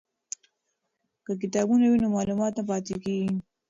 که کتابتون وي نو معلومات نه پاتیږي.